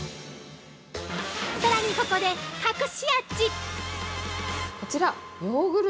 さらに、ここで隠し味！